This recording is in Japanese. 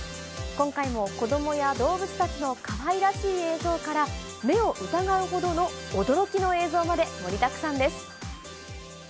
今回も、子どもや動物たちのかわいらしい映像から、目を疑うほどの驚きの映像まで盛りだくさんです。